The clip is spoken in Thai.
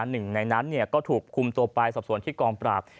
หนึ่งในนั้นก็ถูกคุมตัวไปสอบส่วนที่กองปราบ